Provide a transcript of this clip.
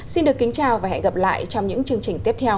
xin được kính chào và hẹn gặp lại trong những chương trình tiếp theo